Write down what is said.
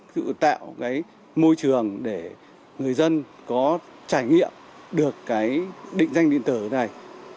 tự tạo môi trường để người dân có trải nghiệm được định danh điện tử này